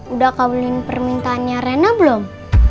udah kabulin permintaan reyna belum